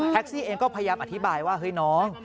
ซี่เองก็พยายามอธิบายว่าเฮ้ยน้อง